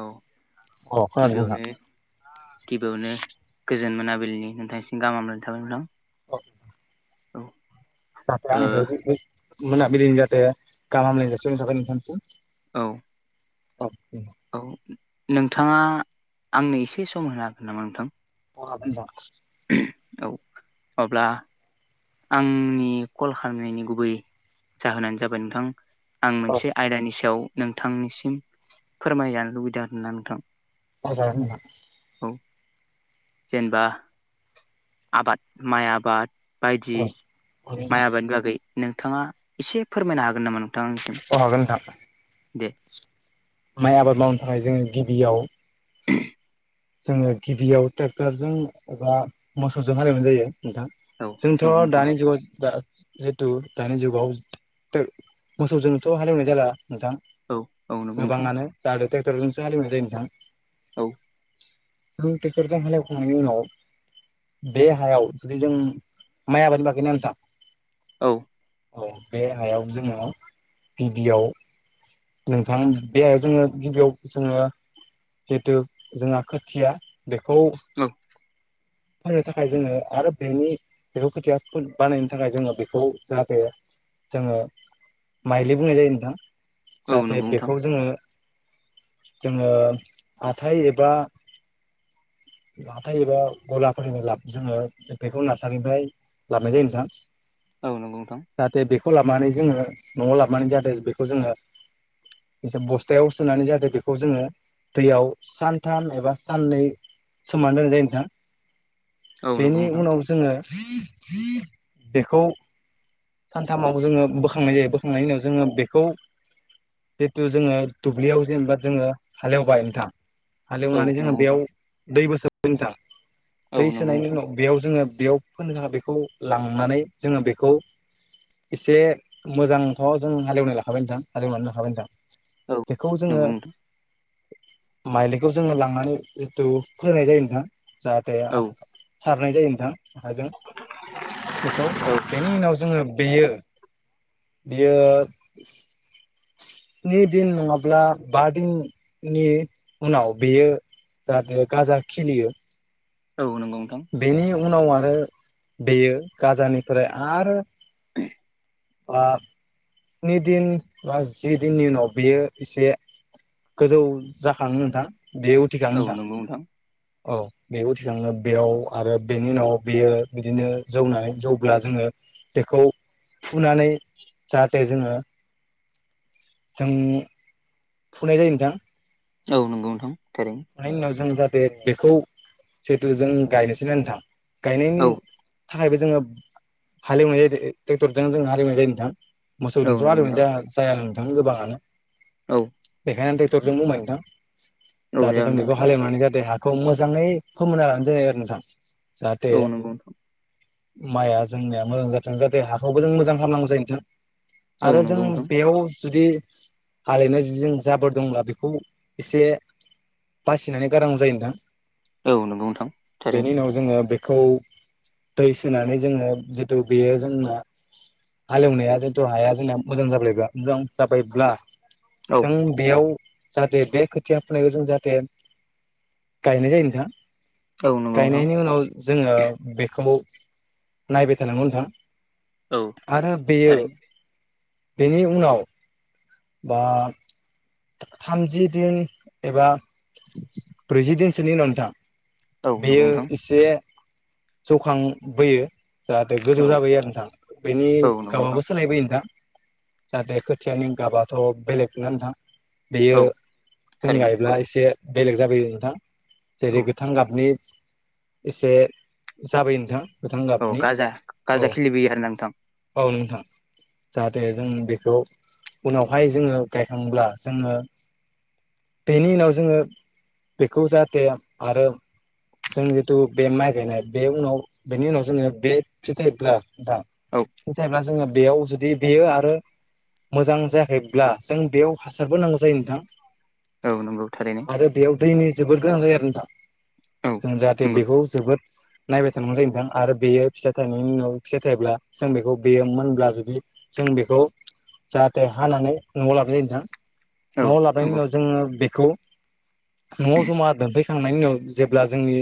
औ अ खोनादों नोंथां गिबियावनो गिबियावनो गोजोन मोनाबलिनि नोंथांसिनि गाहाम हामग्लायनाय थाबाय नोंथां। अ' औ जाहाथे ओ आंजों गोजोन मोनाबिलिनि जाहाथे गाहाम हामग्लायनाय जासिहरबाय नोंथांनिसिम। औ औ औ नोंथाङा आंनो एसे सम होनो हागोन नामा नोंथां? अ हागोन दा। औ माब्ला आंनि कल खालामनायनि गुबै जाहोनानो जाबाय नोंथां। आं औ मोनसे आयदानि सायाव नोंथांनिसिम फोरमायजानो लुबैदो आरा नोंथां। फोरमाय जागोन नोंथां। जेनेबा आबाद माइ आबाद बायदि औ मावजागोन नोंथां औ हागोन माइ नोंथां आबादनि बागै नोंथाङा एसे फोरमायनो हागोन नामा नों अ' हागोन नोंथां। दे माइ आबाद मावनो थाखाय जों गिबियाव [unintelligible] जोङो गिबियाव ट्रेक्टरजों एबा मोसौजों हालेवनाय जायो। नोंथां औ नंगौ जोंथ' नोंथां दानि जुगाव जा जिहेथु दानि जुगाव थो मोसौजोंथ' हालेवनाय जाला। नोंथां औ औ नंगौ नोंथां गोबाङानो दाथ ट्रेक्टरजोंसो हालिवनाय जायो नोंथां। औ जों ट्रेक्टरजों हालेवखांनायनि उनाव बे हायाव जुदि जों माइ आबाद नि बागैना नोंथां? औ औ बे हायाव जोङो गिबियाव नोंथां बे हायाव जोङो गिबियाव जोङो जिहेथु जोंहा खोथिया बेखौ औ फोनो थाखाय जोङो आरो बेनि बेखौ खोथिया फो बानायनो थाखाय जोङो बेखौ जाहाथे जोङो माइलि बुंनाय जायो नोंथां। औ जाहाथे नंगौ नोंथां बेखौ जोङो जोङो हा थाइ एबा [inaudible] हाथाय एबा गलाफोरनो लाब जोङो बेखौ नार्सारिनिफ्राय लाबनाय जायो नोंथां। औ नंगौ नोंथां। खौ लाबोनानै जोङो न'आव लाबोनानै जाहाथे बेखौ जोङो एसे बस्थायाव सोनानै जाहाथे बेखौ जोङो दैयाव सानथाम एबा साननै सोमनानै दोननाय जायो नोंथां। औ नंगौ बेनि नोंथां उनाव जोङो बेखौ सानथामाव जोङो बोखांनाय जायो। बोखांनायनि उनाव जोङो बेखौ जिथु जोङो दुब्लियाव जेनेबा जोङो हालेवबाय नोंथां। औ हालेवनानै जोङो नंगौ बेयाव नोंथां दैबो सोबयो नोंथां। औ दै नंगौ सोनायनि नोंथां उनाव बेयाव जोङो बेयाव फोनो बेखौ लांनानै जोङो बेखौ एसे मोजांथ' जों हालेवना लाखाबाय नोंथां। हालेवनानै होखाबाय नोंथां। औ बेखौ जोङो नंगौ नोंथां माइज्लिखौ जोङो लांनानै जिथु फोनाय जायो नोंथां जाहाथे औ आस्रा सारनाय जायो नोंथां आखायजों बेखौ औ बेनि उनाव जोङो बेयो बियो न्सिदिन नङाब्ला बा दिननि उनाव बेयो जाहाथे गाजा खिलियो औ नंगौ नोंथां बेनि उनाव आरो बेयो गाजानिफ्राय आरो बा स्नि दिन बा जि दिननि उनाव बियो एसे गोजौ जाखांङो नोंथां बेयो उथिखाङो औ नोंथां। नंगौ औ बेखौ थिखांङो बेयाव आरो बेनि उनाव बेयो बिदिनो जौनानै जौब्ला जोङो बेखौ फुनानै जाहाथे जोङो जों फुनाय जायो नोंथां। औ नंगौ नोंथां। थारैनो मानि उनाव जों जाहाथे बेखौ जेथु जों गायनोसै नोंथां गायनायनि औ थाखायबो जोङो हालेवनाय जायो ट्रेक्टरजों जों हालेवनाय जायो नोंथां। मोसौ औ दोंथ' नंगौ हालेवनाय नोंथां जाया जाया नोंथां गोबाङानो औ बेखायनो टेकटर जों बुंबाय नोंथां औ जाहाथे जों जागोन दे बेखौ नोंथां हालेवनानै जाते खौ मोजाङै फोमोनना लानाय जायो आरो नोंथां औ नंगौथ माइया जोंनिया मोजां जाथों जाहाथे हाखौबो जों मोजां खालामनांगौ जायो नोंथां। औ आरो जों नंगौ नोंथां बेयाव जुदि हालेवनायाव जुदि जों जाबोर दंब्ला बेखौ एसे बासिनानै गारनांगौ जायो नोंथां। औ नोंगौ नोंथां थारैनो। खौ दै सोनानै जोङो जिथु बेयो जोंना हालेवनाया जिथु हाया जोंना मोजां जाबायब्ला मोजां जाबायब्ला औ जों बेयाव जाहाथे बे खोथिया फोनायखौ जों जाहाथे गे गायनाय जायो नोंथां। औ नंगौ नोंथां गायनायनि उनाव जोङो बेखौ नायबाय थानांगौ नोंथां। औ आरो बियो थारैनो बेनि उनाव बा थामजि दिन एबा ब्रैजि दिनसोनि उनाव नोंथां। औ नंगौ बेयो नोंथां एसे जौखांबोयो जाहाथे गोजौ औ जाबोयो आरो नोंथां बेनि औ नंगौ गाबाबो नोंथां सोलायबोयो नोंथां। जाहाथे खोथियानि गाबाथ' बेलेग ना नोंथां बेयो औ जों थारैनो गायब्ला एसे बेलेग जाबोयो नोंथां जेरै औ गोथां गाबनि एसे जाबोयो नोंथां। गोथां औ गाबनि गाजा औ गाजा खिलिबोयो आरोना नोंथां औ नों जाहाथे जों बेखौ उनावहाय जोङो गायखांब्ला जोङो बेनि उनाव जोङो बेखौ जाहाथे आरो जों जिथु बे माइ गायनाय बे उनाव बेनि उनाव जोङो बे फिथाइ औ थाइब्ला [unintelligible] जोङो बेयाव जुदि बेयो आरो मोजां जायाखैब्ला जों बेयाव हासारबो नांगौ जायो नोंथां औ नंगौ थारैनो आरो बेयाव दैनि जोबोद गोनां जायो आरो दा औ जों जाहाथे नंगौ बेखौ जोबोद नायबाय थानांगौ जायो नोंथां आरो बेयो फिथाइ थायनायनि उनाव फिथाइ थायोब्ला जों बेखौ बेयो मोनब्ला जुदि जों बेखौ जाहाथे हानानै न'आव लाबोनाय जायो नोंथां औ न'आव लाबोनायनायनि नंगौ उनाव जोङो बेखौ न'आव जमा दोनफै खांनायनि उनाव जेब्ला जोंनि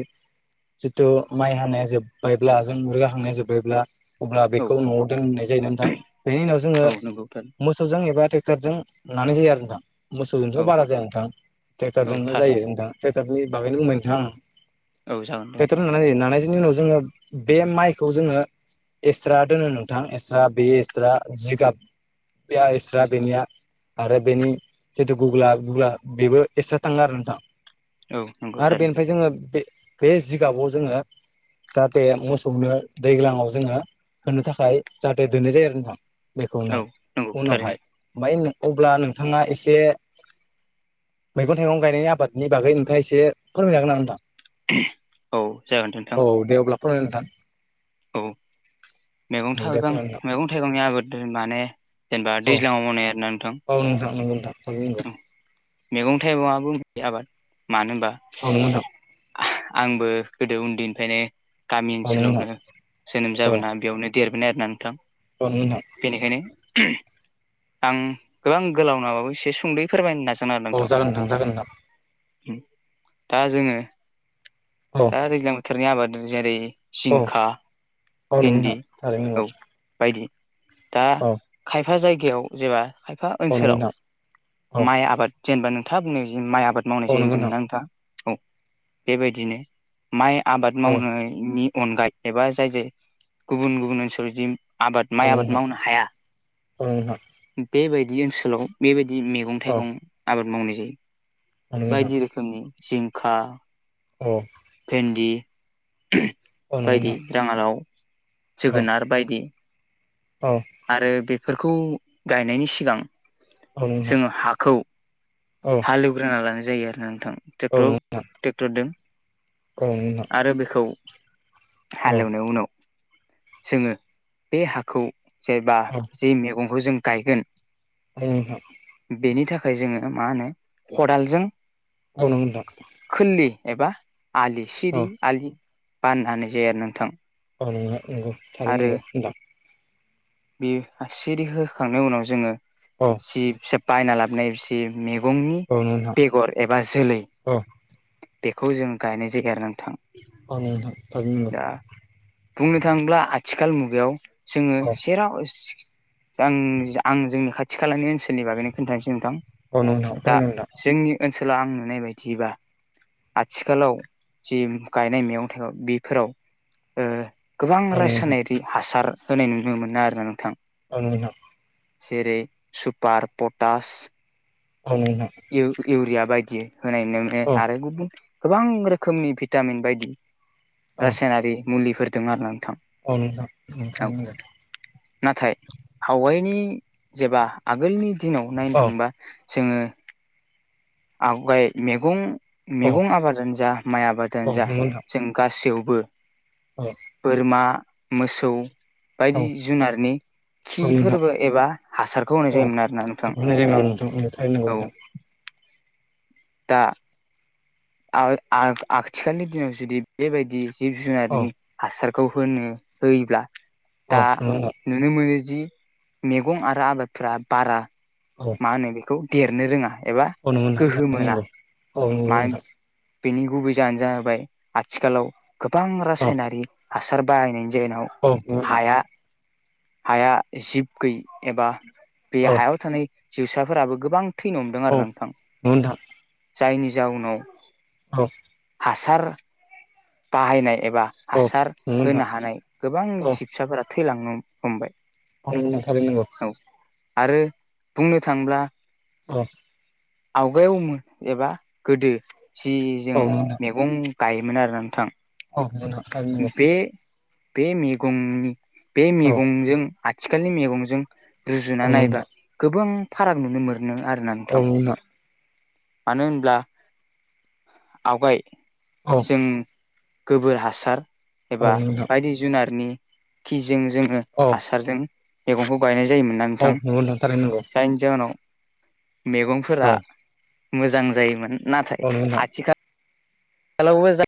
जिथु माइ हानाया जोब्बायब्ला जों [unintelligible] जोब्बायब्ला अब्ला औ बेखौ न'आव दोननाय जायो नोंथां। बेनि उनाव जोङो औ नंगौ थारैनो मोसौजों एबा टेक्टरजों नानाय जायो आरो नोंथां औ मोसौजोंसो बारा जाया नोंथां औ टेक्टरजोंनो जायो थारैनो नोंथां टेक्ट रनि बागैनो बुंबाय नोंथां औ जागोन ‌। दे टेक्टरजों नोंथां नानाय जायो नानाय [unintelligible] उनाव जोङो बे माइखौ जोङो एस्रा दोनो नोंथां एस्रा बे एस्रा जिगाब आ एस्रा बेनिया आरो बेनि जितु गुग्ला गुग्ला बेबो एस्रा थाङो आरो नोंथां। औ नंगौ आरो थारैनो बेनिफ्राय जोङो बे बे जिगाबाव जोङो जाहाथे मोसौनो दैज्लांआव जोङो होनो थाखाय जाहाथे दोननाय जायो आरो नोंथां। औ बेखौनो नंगौ थारैनो उनावहाय ओमफ्राय अब्ला नोंथाङा एसे मैगं थाइगं गायनायनि आबादनि बागै नोंथाङा एसे फोरमायजागोन नामा नोंथां? औ जागोन औ नोंथां। [unintelligible] नोंथां औ मैगं औ दे थागं फोरमाय नोंथां मैगं थाइगंनि आबाद माने जेनेबा औ दैज्लाङाव मावनाय आरो ना नोंथां। औ नोंथां [unintelligible] मैगं थाइगंआबो [unintelligible] आबाद मानो होनबा औ नंगौ आ आंबो गोदो उन्दैनिफ्रायनो गामि नोंथां ओनसोलावनो जोनोम जाबोना बेयावनो देरबोनाय आरोना नोंथां। औ नंगौ नोंथां औ नंगौ नोंथां बेनिखायनो [inaudible] आं गोबां गोलाव नङाबाबो एसे सुंदयै फोरमायनो नाजा औ जागोन नोंथां जागोन नोंथां। दा जोङो [inaudible] नोंथां औ दा औ दैज्लां बोथोरनि आबाद जेरै जिंखा, औ नंगौ नोंथां भिन्दि थारैनो नंगौ औ [inaudible] बायदि दा औ खायफा जायगायाव जेनबा खायफा औ नंगौ नोंथां औ ओनसोलाव नंगौ नोंथां औ नंगौ नोंथां औ नंगौ नोंथां औ नंगौ नोंथां औ नंगौ नोंथां औ नंगौ नोंथां औ माइ आबाद जेनेबा नोंथा [unintelligible] माइ आबाद नंगौ नोंथां मावनाय जायो होनदोंमोन ना नोंथाङा। औ, बेबायदिनो माइ आबाद औ नंगौ नोंथां औ नंगौ नोंथां औ नंगौ नोंथां औ मावनायनि अनगायै एबा जाय जाय गुबुन गुबुन ओनसोल [unintelligible] आबाद माइ आबाद मावनो हाया बेबायदि ओनसोलाव बेबायदि मेगं थाइगं आबाद मावनाय जायो। बायदि रोखोमनि जिंखा [inaudible] भेन्दि [inaudible] बायदि राङालाव जोगोनार बायदि। आरो बेफोरखौ गायनायनि सिगां जोङो हाखौ [inaudible] हालेवग्रोना लानाय जायो आरो नोंथां। टेक्टर टेक्टरदों आरो बेखौ [inaudible] हालेवनाय उनाव जोङो बे हाखौ जेनेबा जे मेगंखौ जों गायगोन औ नोंथां। बेनि जोङो मा होनो खदालजों [inaudible] खोरलि एबा आलि सिरि आलि बानना जाया आरो नोंथां। औ [unintelligible] नंगौ थारै आरो नंगौ [unintelligible] बे आ सिरि होखांनायनि उनाव जोङो औ जि फिसा बायना लाबोनाय जि मेग मेगंनि औ नोंथां बेगर एबा जोलै औ बेखौ जों गायनाय जायोना। अ नोंथां थारैनो नंगौ। बुंनो थाङोब्ला आथिखाल मुगायाव जोङो औ सेराव सि आं आं जोंनि खाथि खालानि ओनसोलनि बागैनो खोनथानोसै नोंथां औ नोंथां दा थारैनो नोंथां जोंनि ओनसोला आं नुनाय बायदिबा आथिखालाव जि गायनाय मैगं थाइगं बेफोराव ओ गोबां औ नोंथां रायसायनायारि हासार होनाय नुनो मोनो आरोना नोंथां। औ नोंथां। जेरै सुपार पटास औ नोंथां इउ इउरिया बायदि होनाय बायदि औ आरो गुबुन गोबां रोखोमनि भिटामिन बायदि औ रासायनारि मुलिफोर दों आरोना। थां औ नोंथां थां थारैनो नंगौ नाथाय हावायनि जेबा आगोलनि दिनाव नायनो औ थांङोबा जोङो आवगाय मैगं औ मैगं आबादानो जा माइ औ आबादानो जा नंगौ नोंथां जों गासैयावबो औ बोरमा मोसौ औ बायदि जुनारनि खि औ नोंथां फोरबो एबा हासारखौ होनाय औ जायोमोन आरोना नोंथां बेफोरनो जोंनाव नोंथां थारैनो नंगौ औ। नोंथां दा। आ आ आथिखालनि दिनाव जुदि बेबायदि जिब औ जुनारनि हासार खौ होनो होयोब्ला दा औ नंगौ नोंथां नुनो मोनो जि मैगं आरो आबादफ्रा बारा औ मा होनो बेखौ देरनो रोङा। एबा औ नंगौ नोंथां गोहो थारैनो मोना नंगौ औ नंगौ मा होन नोंथां बेनि गुबै जाहानो जाहैबाय आथिखालाव गोबां रासायनारि हासार बाहायनायनि जेनाव औ नंगौ नोंथां हाया हाया जिब गैय एबा बे औ हायाव थानाय जिउसाफोराबो गोबां थैनो हमदों औ आरो नोंथां। नंगौ नोंथां जायनि जाउनाव औ। हासार बाहायनाय एबा औ हासार होनो नंगौ नोंथां हानाय गोबां जिबसाफोरा थैलांनो हमबाय नों थारैनो नोंगौ। औ आरो बुंनो थांब्ला औ। आवगायाव एबा गोदो सि जों औ नंगौ नोंथां मैगं गायोमोन आरो ना औ नंगौ नोंथां थारैनो नंगौ बे बे मेगं बे औ नंगौ नोंथां मैगंजों आथिखालनि मेगंजों रुजुना नायबा गोबां फाराग नुनो मोनो नो आरोना औ नोंथां नंगौ मानो होनब्ला आवगाय औ जों गोबोर हासार औ एबा नोंथां बायदि जुनारनि जों जोङो औ हासारजों मैगंखौ गायनाय जायोमोनना औ नोंथां नंगौ थारैनो नंगौ जायनि जाहोनाव मैगंफोरा औ मोजां जायोमोन औ नाथाय नंगौ नोंथां आथिखाल खालावबो जा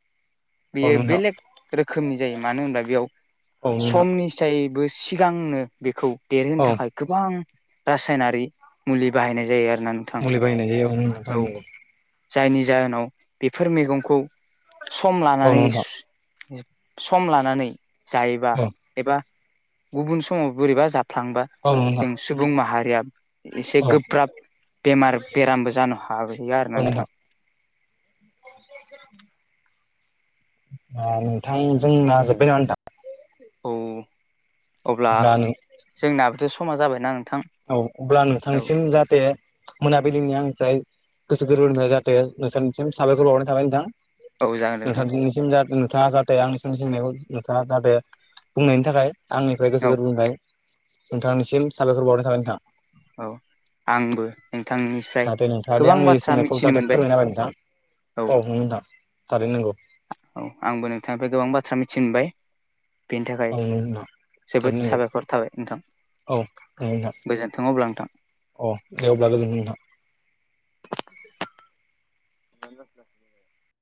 औ बेयो नंगौ नोंथां बेलेग रोखोमनि जायो मानो होनबा बेयाव औ नंगौ नोंथां समनिसा बो सिगांनो बेखौ देरहोनो औ थाखाय गोबां रासायनारि मुलि बाहायनाय जायो आरो। मुलि बाहायनाय जायो [unintelligible] जायनि जाहोनाव बेफोर मैगंखौ सम लानानै नंगौ सम लानानै जायोबा एबा गुबुन समाव बोरैबा जाब थांबा औ नंगौ नोंथां जों सुबुं माहारिया एसे औ गोब्राब बेमार बेरामबो जानो हाहैयो आरो औ ना नंगौ औ नोंथां [inaudible] [inaudible] आ नोंथां जोंना जोब्बाय नामा नोंथां। औ अब्ला जोंनाबोथ' समा जाबायना ओं। औ अब्ला नोंथांनिसिम जाहाथे मोनाबिलिनि आंनिफ्राय गोसो गोरबोनिफ्राय जाहाथे नोंसानिसिम साबायखर बावहरनाय थाबाय औ जागोन नोंथां नोंथां। [unintelligible] थाङा जाहाथे आंनि सोंलु सोंनायखौ नोंथाङा जाहाथे बुंनायनि थाखाय आंनिफाय औ गोसो गोरबोफाय नोंथांनिसिम साबायखर बावनाय थाबाय नोंथां। औ। आंबो नोंथांनिफ्राय जाहाथे नोंथाङा दि गोबां आंनि बाथ्रा सोंनायखौ मिथिनो जाहाथे मोनबाय। फोरमायना होबाय नोंथां औ नोंगौ नोंथां थारैनो नोंगौ। औ आंबो नोंथांनिफाय गोबां बाथ्रा मिथि मोनबाय। बेनि औ थाखाय नंगौ नोंथां थारैनो जोबोद नंगौ साबायखर थाबाय नोंथां। औ [unintelligible] अह गोजोनथों अब्ला नोंथां दे अब्ला गोजोनथों नोंथां। [unintelligible]